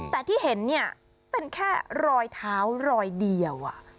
แต่ที่เห็นเนี่ยเป็นแค่รอยเท้ารอยเดียว